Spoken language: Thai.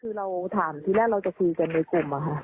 คือเราถามทีแรกเราจะคุยกันในกลุ่มอะค่ะ